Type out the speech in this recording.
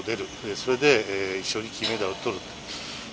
それで一緒に金メダルをとる。